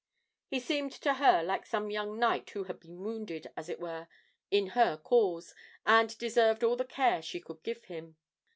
He seemed to her like some young knight who had been wounded, as it were, in her cause, and deserved all the care she could give him.